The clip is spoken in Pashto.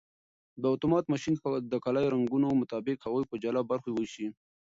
دا اتومات ماشین د کالیو د رنګونو مطابق هغوی په جلا برخو ویشي.